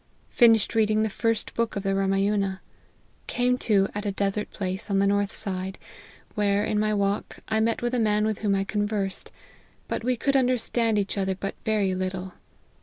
Finished reading the first book of the Ramayuna. Came to at a desert place on the north side ; where, in my walk, I met with a man with whom I conversed ; but we could under stand each other but very little.